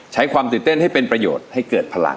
ใช้ความตื่นเต้นให้เป็นประโยชน์ให้เกิดพลัง